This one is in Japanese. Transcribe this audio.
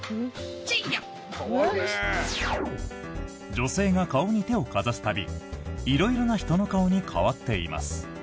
女性が顔に手をかざす度色々な人の顔に変わっています。